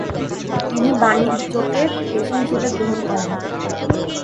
তিনি বাণিজ্যকে পেশা হিসেবে গ্রহণ করেন।